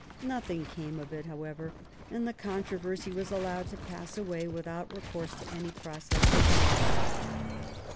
Nothing came of it, how ever, and the controversy was allowed to pass away without recourse to any process of law.